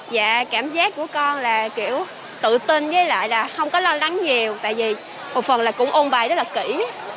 và cảm giác của con là kiểu tự tin với lại là không có lo lắng nhiều tại vì một phần là cũng ôn bài rất là kỹ